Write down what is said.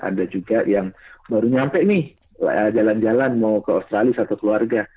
ada juga yang baru nyampe nih jalan jalan mau ke australia satu keluarga